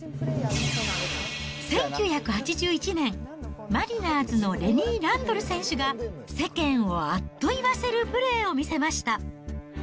１９８１年、マリナーズのレニー・ランドル選手が、世間をあっと言わせるプレーを見せました。